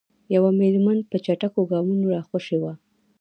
یوه میرمن په چټکو ګامونو راخوشې وه.